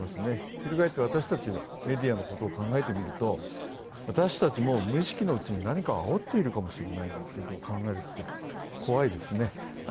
ひるがえって私たち、メディアのことを考えてみると私たちも無意識のうちに何かあおってしまっているかもしれないと考えると怖いですね。